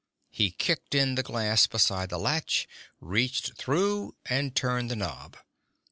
He kicked in the glass beside the latch, reached through and turned the knob.